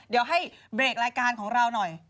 เดี๋ยวให้เบรกรายการของเราหน่อย